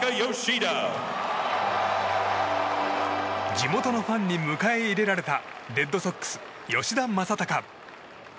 地元のファンに迎え入れられたレッドソックス、吉田正尚。